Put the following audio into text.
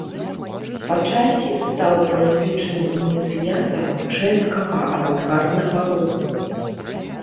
Па часе стаў палітычным ініцыятарам чэшскага авангарднага руху.